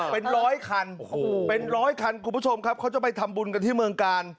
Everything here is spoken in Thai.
เป็นร้อยคันคุณผู้ชมครับเขาจะไปทำบุญกันที่เมืองกาล